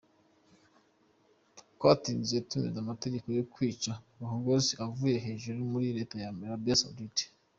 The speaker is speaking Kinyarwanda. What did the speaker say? Twatinze tumenya amategeko yo kwica Khashoggi yavuye hejuru muri reta ya Arabia Saudite.